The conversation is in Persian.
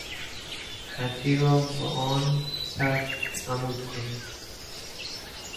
خطی را بآن سطح عمود کنید.